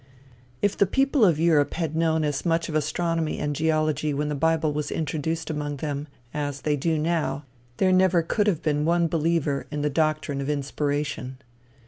If the people of Europe had known as much of astronomy and geology when the bible was introduced among them, as they do now, there never could have been one believer in the doctrine of inspiration.